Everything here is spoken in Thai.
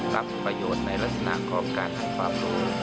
รับประโยชน์ในลักษณะของการให้ความรู้